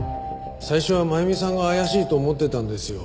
最初は真弓さんが怪しいと思ってたんですよ。